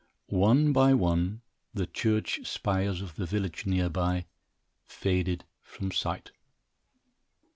One by one, the church spires of the village near by faded from sight.